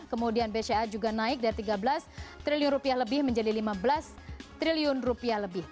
kemudian bca juga naik dari tiga belas triliun rupiah lebih menjadi lima belas triliun rupiah lebih